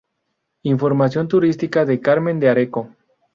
Información Turística de Carmen de Areco